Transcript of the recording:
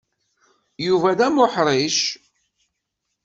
Yuba d amuḥṛic.